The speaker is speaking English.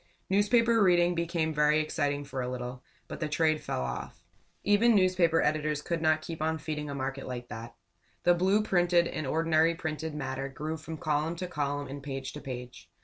Newspaper reading became very exciting for a little, but the trade fell off. Even newspaper editors could not keep on feeding a market like that. The blue printed and ordinary printed matter grew from column to column and page to page.